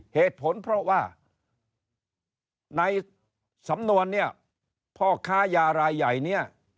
เหตุผลเพราะว่าในสำนวนเนี่ยพ่อค้ายารายใหญ่เนี่ย